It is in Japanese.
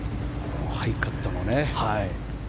ハイカットのね。